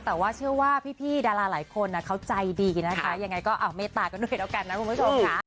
แต่ว่าเชื่อว่าพี่ดาราหลายคนเขาใจดีนะคะยังไงก็เมตตากันหน่อยแล้วกันนะคุณผู้ชมค่ะ